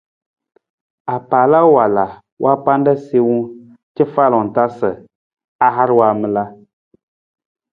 Apaala wala wa panda siiwung cafalung ta sa a har waamala.